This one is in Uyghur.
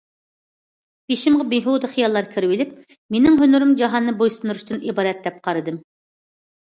بېشىمغا بىھۇدە خىياللار كىرىۋېلىپ، مېنىڭ ھۈنىرىم جاھاننى بويسۇندۇرۇشتىن ئىبارەت، دەپ قارىدىم.